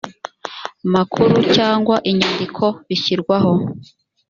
makuru cyangwa inyandiko bishyirwaho